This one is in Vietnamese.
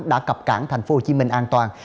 đã cập cản thành phố hồ chí minh an toàn